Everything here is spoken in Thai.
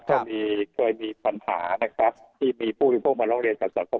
เคยมีปัญหานะครับที่มีผู้บริโภคมาร้องเรียนกับสังคม